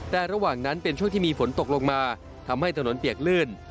แต่ระหว่างนั้นเป็นช่วงที่มีฝนตกลงมาทำให้ถนนเปียกลื่น